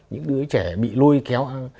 những đứa trẻ bị lôi kéo ăn